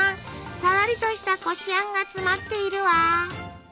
さらりとしたこしあんが詰まっているわ。